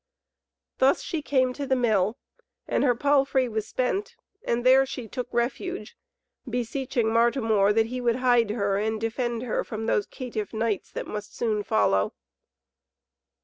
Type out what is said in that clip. Thus she came to the Mill, and her palfrey was spent, and there she took refuge, beseeching Martimor that he would hide her, and defend her from those caitiff knights that must soon follow.